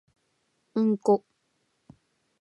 うんこ